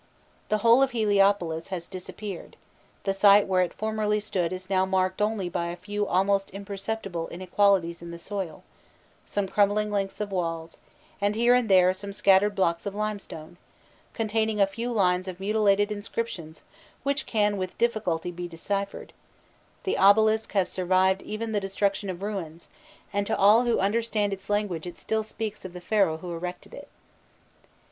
The whole of Heliopolis has disappeared: the site where it formerly stood is now marked only by a few almost imperceptible inequalities in the soil, some crumbling lengths of walls, and here and there some scattered blocks of limestone, containing a few lines of mutilated inscriptions which can with difficulty be deciphered; the obelisk has survived even the destruction of the ruins, and to all who understand its language it still speaks of the Pharaoh who erected it.